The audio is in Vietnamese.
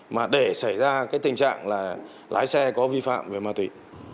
mà để xảy ra cái tình trạng là lái xe có vi phạm về ma túy